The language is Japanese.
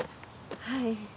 はい。